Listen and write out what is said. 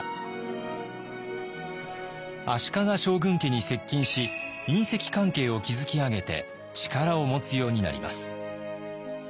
足利将軍家に接近し姻戚関係を築き上げて力を持つようになります。